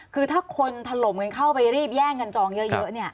คือถ้าคนถล่มเงินเข้าไปรีบแย่งเงินจองเยอะเนี่ย